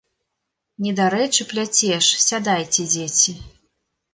Недарэчы пляцеш, сядайце, дзеці.